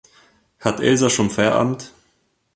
Hat Elsa schon Feierabend?